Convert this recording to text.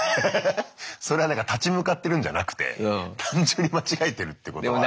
それはなんか立ち向かってるんじゃなくて単純に間違えてるってことはあったね。